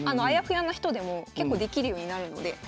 あやふやな人でも結構できるようになるので。